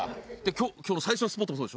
今日の最初のスポットもそうでしょ？